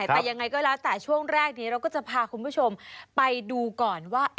แต่ยังไงก็แล้วแต่ช่วงแรกนี้เราก็จะพาคุณผู้ชมไปดูก่อนว่า